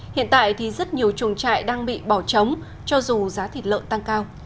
hiện tại thì rất nhiều chuồng trại đang bị bỏ trống cho dù giá thịt lợn tăng cao